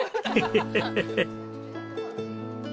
ヘヘヘヘッ。